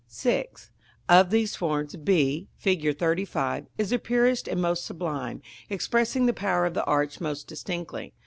§ VI. Of these forms b, Fig. XXXV., is the purest and most sublime, expressing the power of the arch most distinctly.